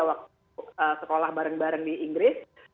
waktu sekolah bareng bareng di inggris